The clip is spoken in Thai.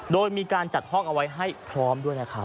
โดยมีการจัดห้องเอาไว้ให้พร้อมด้วยนะครับ